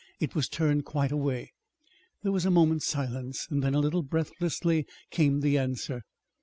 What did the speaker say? It was turned quite away. There was a moment's silence; then, a little breathlessly, came the answer.